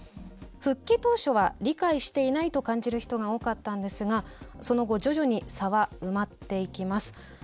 復帰当初は「理解していない」と感じる人が多かったんですがその後徐々に差は埋まっていきます。